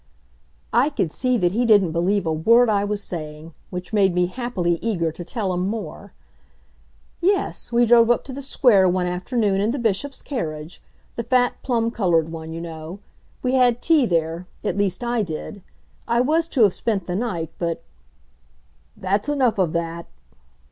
I could see that he didn't believe a word I was saying, which made me happily eager to tell him more. "Yes, we drove up to the Square one afternoon in the Bishop's carriage the fat, plum colored one, you know. We had tea there at least, I did. I was to have spent the night, but " "That's enough of that."